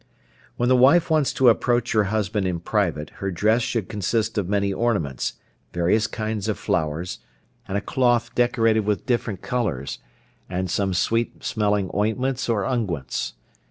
When the wife wants to approach her husband in private her dress should consist of many ornaments, various kinds of flowers, and a cloth decorated with different colours, and some sweet smelling ointments or unguents.